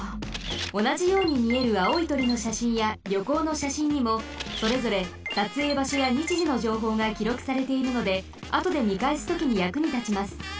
おなじようにみえるあおいとりのしゃしんやりょこうのしゃしんにもそれぞれさつえいばしょやにちじのじょうほうがきろくされているのであとでみかえすときにやくにたちます。